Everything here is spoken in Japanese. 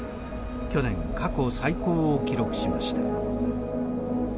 去年過去最高を記録しました。